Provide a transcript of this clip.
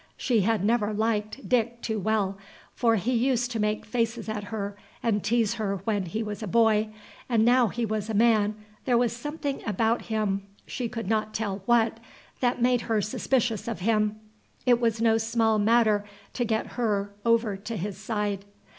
She had never liked Dick too well; for he used to make faces at her and tease her when he was a boy, and now he was a man there was something about him she could not tell what that made her suspicious of him. It was no small matter to get her over to his side.